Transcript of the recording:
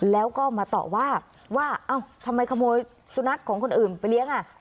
แล้วก็มาต่อว่าว่าเอ้าทำไมขโมยสุนัขของคนอื่นไปเลี้ยงอ่ะ